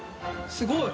すごい。